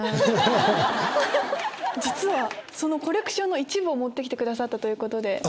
実はそのコレクションの一部を持って来てくださったということで。